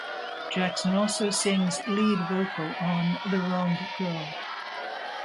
Jackson also sings lead vocal on "The Wrong Girl".